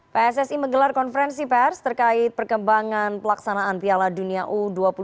pssi menggelar konferensi pers terkait perkembangan pelaksanaan piala dunia u dua puluh dua dua ribu dua puluh tiga